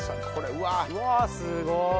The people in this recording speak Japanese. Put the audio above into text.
うわっすごい！